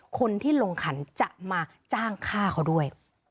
คนที่ลงขันจะมาจ้างฆ่าเขาด้วย